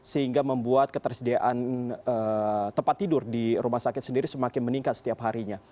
sehingga membuat ketersediaan tempat tidur di rumah sakit sendiri semakin meningkat setiap harinya